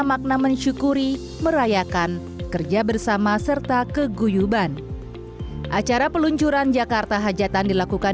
makna mensyukuri merayakan kerja bersama serta keguyuban acara peluncuran jakarta hajatan dilakukan